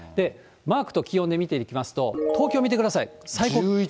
マークと気温で見ていきますと、東京、見てください。